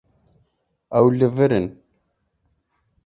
Ew li vir in.